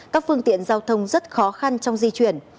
các phương tiện giao thông rất khó khăn trong di chuyển